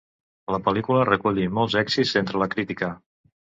La pel·lícula recollí molts èxits entre la crítica.